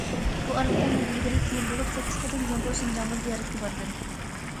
بۇ ئارىلىقتا، مەن ئىلگىرى- كېيىن بولۇپ سەككىز قېتىم جۇڭگو شىنجاڭغا زىيارەتكە باردىم.